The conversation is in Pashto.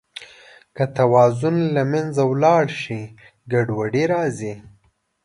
که توازن له منځه ولاړ شي، ګډوډي راځي.